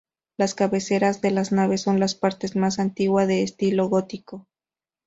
Las cabeceras de las naves son la parte más antigua, de estilo gótico.